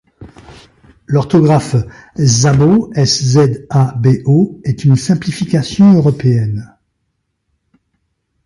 L'orthographe Szabo est une simplification européenne.